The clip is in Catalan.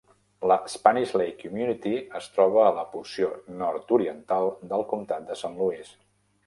La Spanish Lake Community es troba a la porció nord-oriental del comtat de Saint Louis.